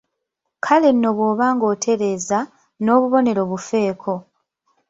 "Kale nno bw’oba ng’otereeza, n’obubonero bufeeko."